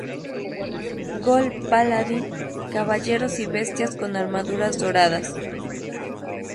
Gold Paladin: Caballeros y bestias con armaduras doradas.